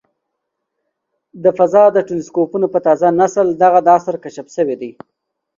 د فضا د ټیلسکوپونو په تازه نسل دغه د عصر کشف شوی دی.